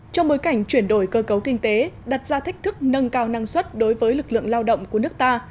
trong bối cảnh chuyển đổi cơ cấu kinh tế đặt ra thách thức nâng cao năng suất đối với lực lượng lao động của nước ta